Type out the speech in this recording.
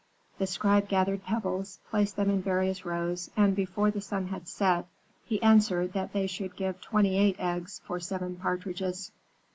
"The scribe gathered pebbles, placed them in various rows, and before the sun had set, he answered that they should give twenty eight eggs for seven partridges.